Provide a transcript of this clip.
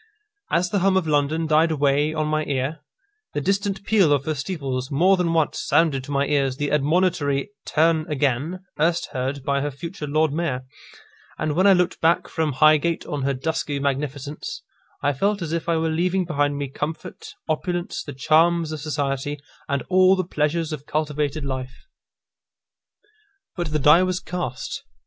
As the hum of London died away on my ear, the distant peal of her steeples more than once sounded to my ears the admonitory "Turn again," erst heard by her future Lord Mayor; and when I looked back from Highgate on her dusky magnificence, I felt as if I were leaving behind me comfort, opulence, the charms of society, and all the pleasures of cultivated life. But the die was cast.